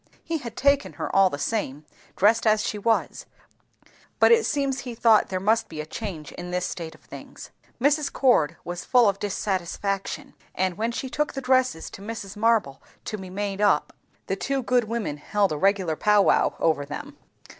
He had taken her, all the same, dressed as she was, but it seems he thought there must be a change in this state of things. Mrs. Cord was full of dissatisfaction; and when she took the dresses to Mrs. Marble to be made up, the two good women held a regular pow wow over them.